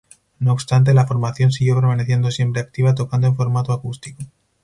No obstante, la formación siguió permaneciendo siempre activa tocando en formato acústico.